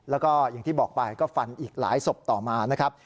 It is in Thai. แล้วก็อย่างที่บอกไปก็ฟันอีกหลายศพต่อมานะครับ